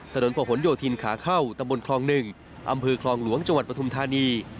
ถนนประหลโยธินขาเข้าตำบลคลอง๑อำเภอคลองหลวงจังหวัดปฐุมธานี